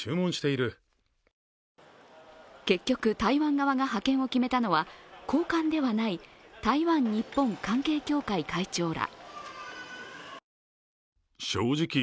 結局、台湾側が派遣を決めたのは高官ではない、台湾日本関係協会会長ら。